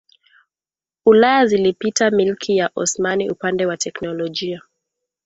Ulaya zilipita Milki ya Osmani upande wa teknolojia